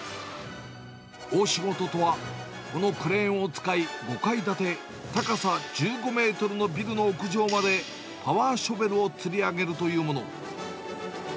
大仕事とは、このクレーンを使い、５階建て、高さ１５メートルのビルの屋上までパワーショベルをつり上げるというもの。